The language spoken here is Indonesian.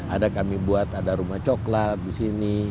ada kami buat ada rumah coklat di sini